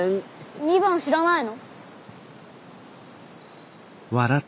２番知らないの？